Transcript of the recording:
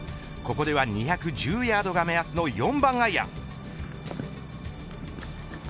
これは２１０ヤードが目安の４番アイアン。